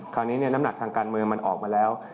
คราวนี้เนี่ยน้ำหนักทางการเมืองมันออกมาแล้ว